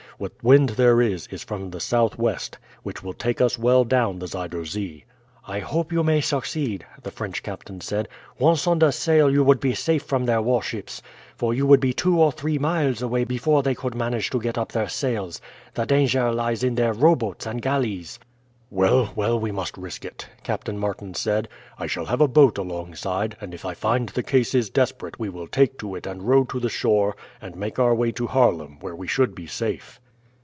What wind there is is from the southwest, which will take us well down the Zuider Zee." "I hope you may succeed," the French captain said. "Once under sail you would be safe from their warships, for you would be two or three miles away before they could manage to get up their sails. The danger lies in their rowboats and galleys." "Well, well, we must risk it," Captain Martin said. "I shall have a boat alongside, and if I find the case is desperate we will take to it and row to the shore, and make our way to Haarlem, where we should be safe."